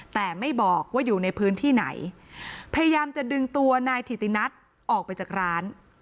แต่ไม่บอกว่าอยู่ในพื้นที่ไหนพยายามจะดึงตัวนายถิตินัทออกไปจากร้าน